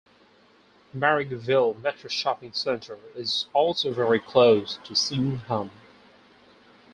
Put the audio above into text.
Marrickville Metro Shopping Centre is also very close to Sydenham.